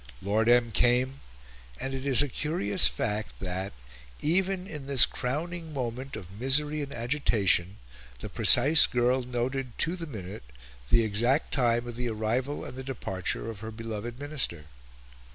Lord M. came; and it is a curious fact that, even in this crowning moment of misery and agitation, the precise girl noted, to the minute, the exact time of the arrival and the departure of her beloved Minister.